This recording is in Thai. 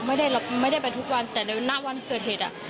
ไม่ได้ไปทุกวันแต่ในหน้าวันเกิดเหตุอะ